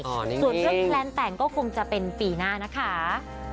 ส่วนเรื่องแพลนแต่งก็คงจะเป็นปีหน้านะคะ